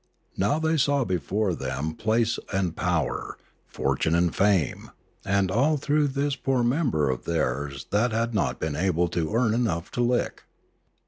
Now they saw before them place and power, fortune and fame, and all through this poor member of theirs that had not been able to earn enough to lick.